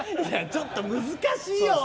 ちょっと難しいよ。